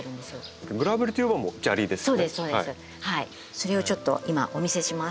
それをちょっと今お見せします。